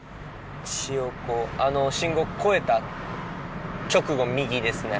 あの信号越えた直後右ですね。